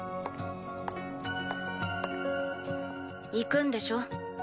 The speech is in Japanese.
行くんでしょ？